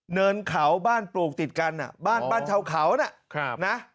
เนินเขาบ้านปลูกติดกันบ้านบ้านชาวเขานะ